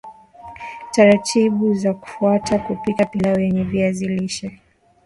taratibu za kufuata kupika pilau lenye viazi lishe